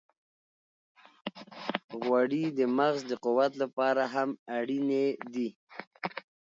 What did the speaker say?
غوړې د مغز د قوت لپاره هم اړینې دي.